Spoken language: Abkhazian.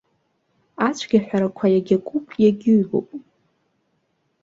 Ацәгьаҳәарақәа егьакуп, иагьыҩбоуп.